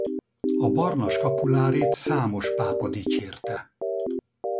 A barna skapulárét számos pápa dicsérte.